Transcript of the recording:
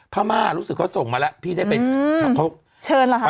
พม่ารู้สึกเขาส่งมาแล้วพี่ได้ไปเขาเชิญเหรอคะ